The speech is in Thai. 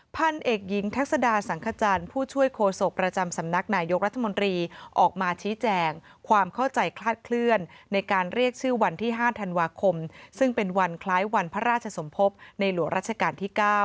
พันเอกหญิงทักษดาสังขจันทร์ผู้ช่วยโคศกประจำสำนักนายกรัฐมนตรีออกมาชี้แจงความเข้าใจคลาดเคลื่อนในการเรียกชื่อวันที่๕ธันวาคมซึ่งเป็นวันคล้ายวันพระราชสมภพในหลวงราชการที่๙